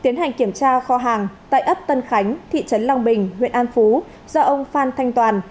tiến hành kiểm tra kho hàng tại ấp tân khánh thị trấn long bình huyện an phú do ông phan thanh toàn